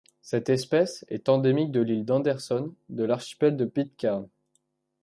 Cette espèce est endémique de l'île d'Henderson de l'archipel de Pitcairn.